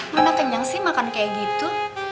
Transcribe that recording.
mana kenyang sih makan kayak gitu